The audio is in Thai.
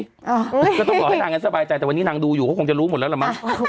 ก็ต้องบอกให้นางนั้นสบายใจแต่วันนี้นางดูอยู่ก็คงจะรู้หมดแล้วล่ะมั้ง